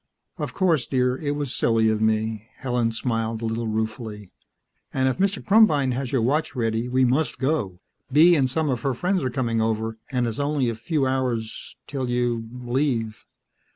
"Of course, dear; it was silly of me." Helen smiled a little ruefully. "And if Mr. Krumbein has your watch ready, we must go. Bee and some of her friends are coming over, and it's only a few hours 'till you ... leave."